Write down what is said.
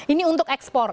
ini untuk ekspor